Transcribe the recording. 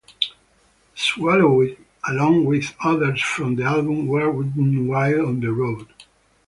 "Swallowed", along with others from the album were written while on the road.